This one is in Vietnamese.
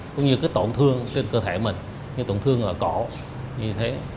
cũng như cái tổn thương trên cơ thể mình như tổn thương ở cổ như thế